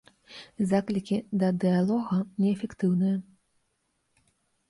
Заклікі да дыялога неэфектыўныя.